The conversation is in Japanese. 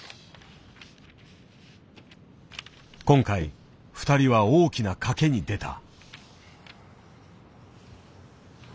今回２人は大きな賭けに出た。